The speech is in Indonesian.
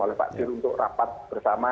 oleh pak dir untuk rapat bersama